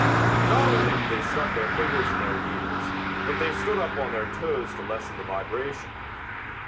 Not only did they stuff their fingers in their ears, but they stood up on their toes to lessen the vibration.